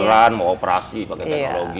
jalan mau operasi pakai teknologi